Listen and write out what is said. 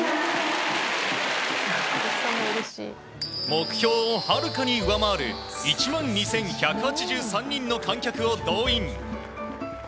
目標をはるかに上回る１万２１８３人の観客を動員。